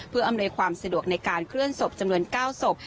เพื่ออำนวยความสะดวกในการเคลื่อนศพจำนวน๙ศพ